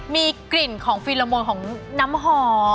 มีกลิ่นของฟิลโมของน้ำหอม